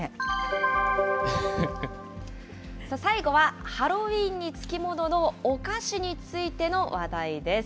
最後は、ハロウィーンにつきもののお菓子についての話題です。